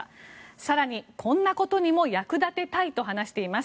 更にこんなことにも役立てたいと話しています。